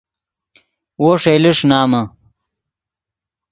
وو ݰئیلے ݰینامے